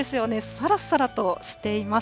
さらさらとしています。